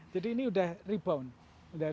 jadi ini sudah rebound